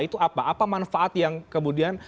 itu apa apa manfaat yang kemudian